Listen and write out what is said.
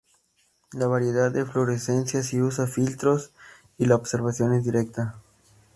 La variedad de fluorescencia sí usa filtros y la observación es directa.